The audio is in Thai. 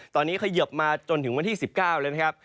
ตอนนี้เขยิบมาจนถึงวันที่๑๙แล้วนะครับ